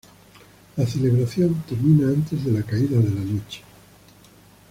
La celebración termina antes de la caída de la noche.